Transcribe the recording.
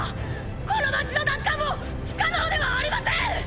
この街の奪還も不可能ではありません！